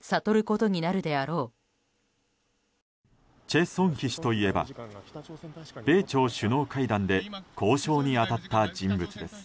チェ・ソンヒ氏といえば米朝首脳会談で交渉に当たった人物です。